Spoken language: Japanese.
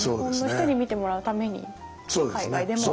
日本の人に見てもらうために海外でも。